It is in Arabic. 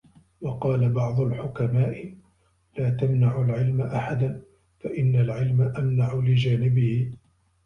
وَقَالَ بَعْضُ الْحُكَمَاءِ لَا تَمْنَعُوا الْعِلْمَ أَحَدًا فَإِنَّ الْعِلْمَ أَمْنَعُ لِجَانِبِهِ